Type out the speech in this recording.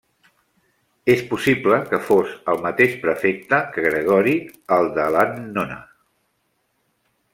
És possible que fos el mateix prefecte que Gregori el de l'annona.